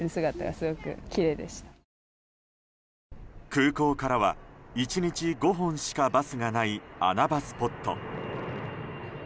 空港からは１日５本しかバスがない穴場スポット。